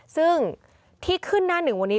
ซึ่งที่ขึ้นหน้าหนึ่งวันนี้